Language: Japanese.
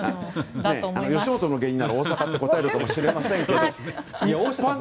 吉本の芸人なら大阪と答えるかもしれませんが。